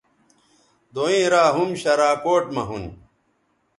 دوئیں را ھُم شراکوٹ مہ ھُون